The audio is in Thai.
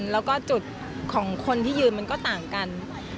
แล้วก็จุดของคนที่ยืนมันก็ต่างกัน